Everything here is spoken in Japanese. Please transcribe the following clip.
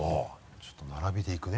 ちょっと並びでいくね。